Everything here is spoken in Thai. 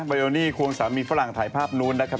โยนี่ควงสามีฝรั่งถ่ายภาพนู้นนะครับ